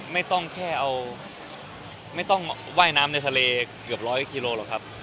ไม่ต้องแค่เอาไม่ต้องว่ายน้ำในทะเลเกือบร้อยกิโลหรอกครับ